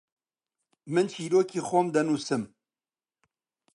من چیرۆکی خۆم دەنووسم.